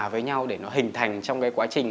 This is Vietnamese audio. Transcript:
với nhau để nó hình thành trong cái quá trình